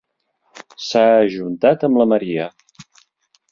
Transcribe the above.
S'ha ajuntat amb la Maria.